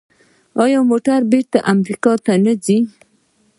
آیا موټرې بیرته امریکا ته نه ځي؟